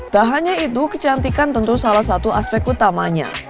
tak hanya itu kecantikan tentu salah satu aspek utamanya